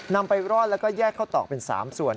นำไปร่อนแล้วก็แยกเข้าตอกเป็น๓ส่วน